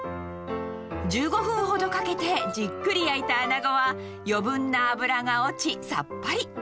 １５分ほどかけてじっくり焼いた穴子は、余分な脂が落ち、さっぱり。